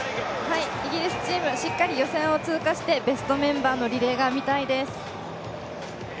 イギリスチーム、しっかり予選を通過してベストメンバーのリレーが見たいです。